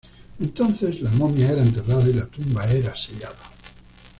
Entonces la momia era enterrada y la tumba era sellada.